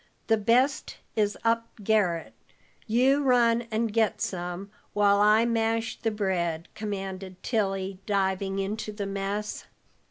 The best is up garret; you run and get some, while I mash the bread," commanded Tilly, diving into the mess.